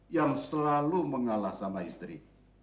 yang selalu mengalah sama istri